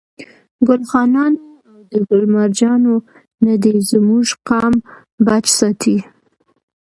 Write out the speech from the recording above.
ګل خانانو او ده ګل مرجانو نه دي زموږ قام بچ ساتي.